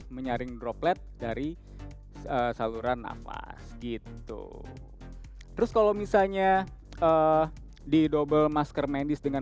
menyaring droplet dari saluran nafas gitu terus kalau misalnya di double masker medis dengan